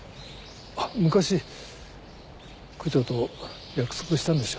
あっ昔九条と約束したんですよ。